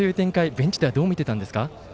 ベンチではどう見ていたんですか。